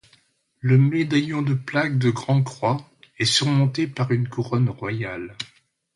Le médaillon de plaque de grand-croix est surmonté par une couronne royale.